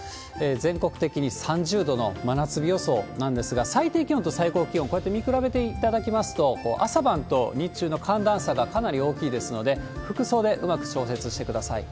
全国的に３０度の真夏日予想なんですが、最低気温と最高気温、こうやって見比べていただきますと、朝晩と日中の寒暖差がかなり大きいですので、服装でうまく調節してください。